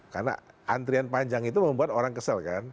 karena antrian panjang itu membuat orang kesel kan